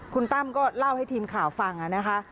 คุณตั้มก็เล่าให้ทีมข่าวฟังนะคะ